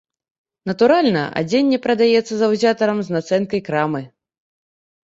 Натуральна, адзенне прадаецца заўзятарам з нацэнкай крамы.